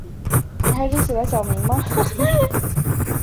弗拉奥维奇在国家队也是常客。